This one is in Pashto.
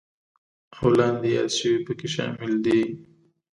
او لاندې یاد شوي پکې شامل دي: